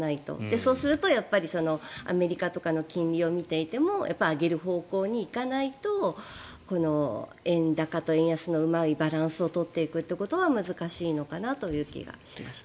そうするとやっぱりアメリカとかの金利を見ていても上げる方向に行かないと円高と円安のうまいバランスを取っていくっていうことは難しいのかなという気がしました。